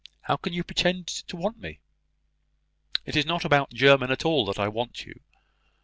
How can you pretend to want me?" "It is not about the German at all that I want you.